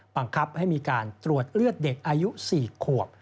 บังคับให้มีการตรวจเลือดเด็กอายุ๔ขวบ